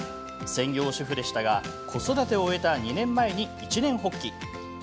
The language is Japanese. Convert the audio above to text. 専業主婦でしたが子育てを終えた２年前に一念発起。